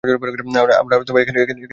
আহ, আমরা এখনো তাদের ধরার চেষ্টা করছি।